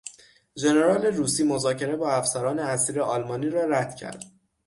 ژنرال روسی مذاکره با افسران اسیر آلمانی را رد کرد.